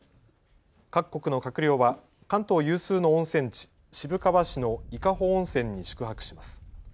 各国の閣僚は関東有数の温泉地、渋川市の伊香保温泉に宿泊します。